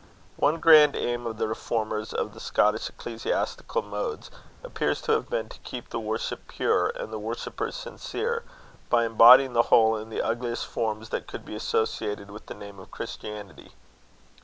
One grand aim of the reformers of the Scottish ecclesiastical modes, appears to have been to keep the worship pure and the worshippers sincere, by embodying the whole in the ugliest forms that could be associated with the name of Christianity.